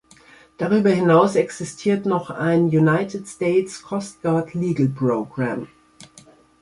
Darüber hinaus existiert noch ein "United States Coast Guard Legal Program".